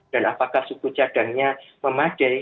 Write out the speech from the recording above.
dan apakah suku cadangnya memadai